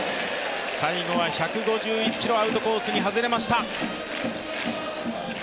最後は１５１キロ、アウトコースに外れました。